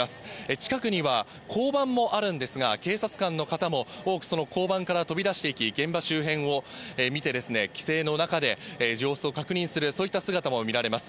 近くには交番もあるんですが、警察官の方も多くその交番から飛び出していき、現場周辺を見て、規制線の中で様子を確認する、そういった姿も見られます。